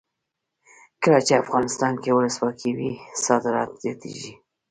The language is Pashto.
کله چې افغانستان کې ولسواکي وي صادرات زیاتیږي.